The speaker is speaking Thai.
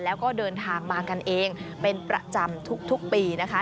แล้วก็เดินทางมากันเองเป็นประจำทุกปีนะคะ